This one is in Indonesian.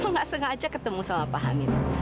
aku nggak sengaja ketemu sama pak hamid